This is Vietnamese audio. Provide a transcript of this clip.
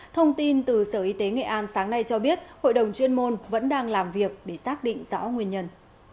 bộ sở y tế nghệ an sáng nay cho biết hội đồng chuyên môn vẫn đang làm việc để xác định rõ nguyên nhân